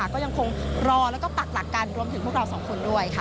ก็ยังคงรอและตักกันรวมถึงพวกเราสองคนด้วย